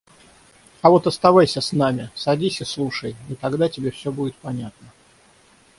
А вот оставайся с нами! Садись и слушай, и тогда тебе все будет понятно.